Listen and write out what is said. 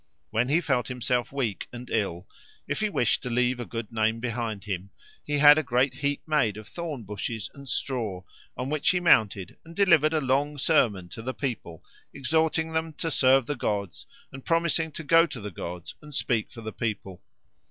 When he felt himself weak and ill, if he wished to leave a good name behind him, he had a great heap made of thorn bushes and straw, on which he mounted and delivered a long sermon to the people, exhorting them to serve the gods and promising to go to the gods and speak for the people.